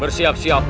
terima kasih ayahanda